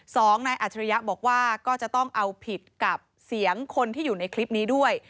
สองนายอัจฉริยะบอกว่าก็จะต้องเอาผิดกับเสียงคนที่อยู่ในคลิปนี้ด้วย